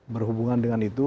berhubungan dengan itu